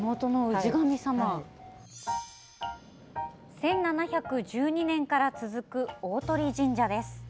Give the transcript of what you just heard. １７１２年から続く大鳥神社です。